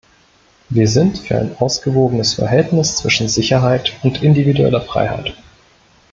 Wir sind für ein ausgewogenes Verhältnis zwischen Sicherheit und individueller Freiheit.